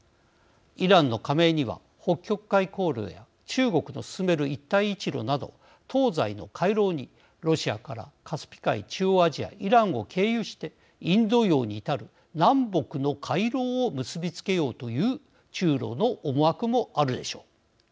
イランの加盟には北極海航路や中国の進める一帯一路など東西の回廊にロシアからカスピ海中央アジア、イランを経由してインド洋に至る南北の回廊を結び付けようという中ロの思惑もあるでしょう。